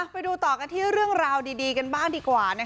ไปดูต่อกันที่เรื่องราวดีกันบ้างดีกว่า